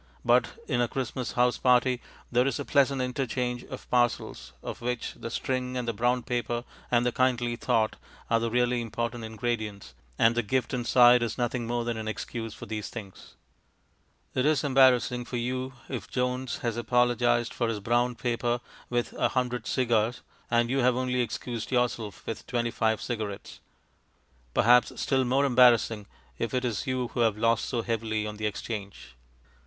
But in a Christmas house party there is a pleasant interchange of parcels, of which the string and the brown paper and the kindly thought are the really important ingredients, and the gift inside is nothing more than an excuse for these things. It is embarrassing for you if Jones has apologized for his brown paper with a hundred cigars, and you have only excused yourself with twenty five cigarettes; perhaps still more embarrassing if it is you who have lost so heavily on the exchange.